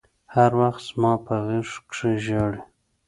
هر وخت زما په غېږ کښې ژاړي.